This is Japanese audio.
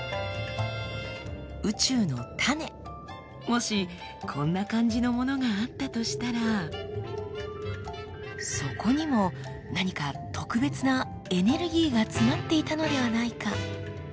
もしこんな感じのものがあったとしたらそこにも何か特別なエネルギーが詰まっていたのではないか？